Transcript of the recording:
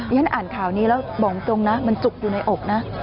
ฉันอ่านข่าวนี้แล้วบอกตรงนะมันจุกอยู่ในอกนะ